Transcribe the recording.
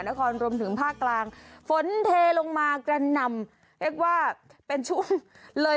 นครรวมถึงภาคกลางฝนเทลงมากระหน่ำเรียกว่าเป็นช่วงเลย